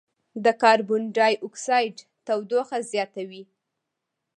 د کاربن ډای اکسایډ تودوخه زیاتوي.